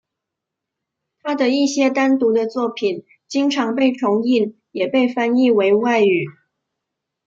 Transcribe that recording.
他的一些单独的作品经常被重印也被翻译为外语。